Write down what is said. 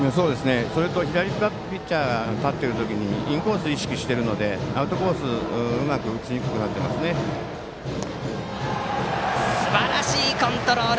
それと左ピッチャーが立っている時にはインコースを意識しているのでアウトコースをすばらしいコントロール！